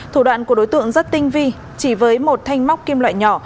thủ đoạn của đối tượng rất tinh vi chỉ với một thanh móc kim loại nhỏ